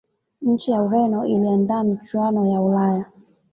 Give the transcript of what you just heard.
nchi ya ureno iliandaa michuano ya ulaya